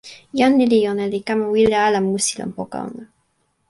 jan lili ona li kama wile ala musi lon poka ona.